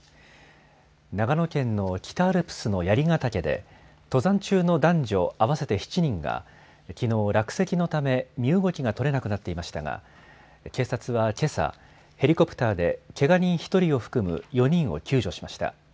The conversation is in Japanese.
長野県の北アルプスの槍ヶ岳で登山中の男女合わせて７人がきのう落石のため身動きが取れなくなっていましたが警察はけさ、ヘリコプターでけが人１人を含む４人を救助しました。